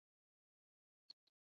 এই বলে কুমুদিনীকে ছেড়ে দিলে।